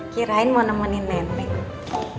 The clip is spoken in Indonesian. kirain mau nemenin neneng